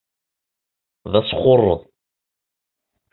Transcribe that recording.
D asxuṛṛeḍ.